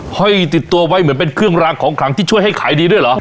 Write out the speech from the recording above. ห้อยติดตัวไว้เหมือนเป็นเครื่องรางของขลังที่ช่วยให้ขายดีด้วยเหรอ